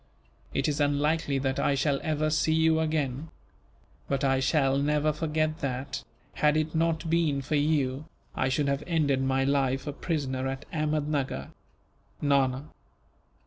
It is unlikely that I shall ever see you again; but I shall never forget that, had it not been for you, I should have ended my life a prisoner at Ahmednuggur. "Nana."